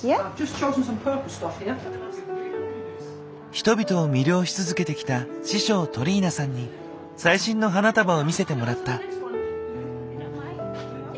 人々を魅了し続けてきた師匠トリーナさんに最新の花束を見せてもらった。